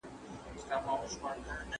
استاد شاګرد ته د کار زمینه برابره کړه.